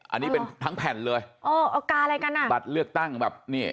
อันนี้เป็นทั้งแผ่นเลยเออเอากาอะไรกันอ่ะบัตรเลือกตั้งแบบนี่